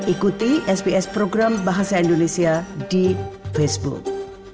ikuti sps program bahasa indonesia di facebook